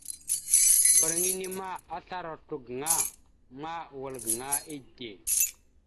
Mbarŋa enne ma, aslara oslo gaŋa ma, wal gaŋa ide.